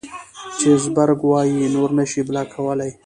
چې زبرګ وائي نور نشې بلاک کولے